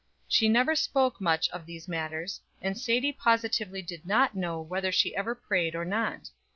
She never spoke much of these matters, and Sadie positively did not know whether she ever prayed or not.